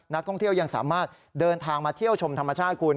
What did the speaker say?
นักท่องเที่ยวยังสามารถเดินทางมาเที่ยวชมธรรมชาติคุณ